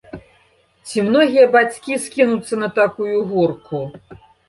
Ці многія бацькі скінуцца на такую горку?